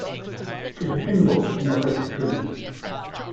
It is a single knockout tournament.